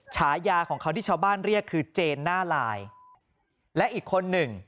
ฉายาของเขาที่ชาวบ้านเรียกคือเจนหน้าลายและอีกคนหนึ่ง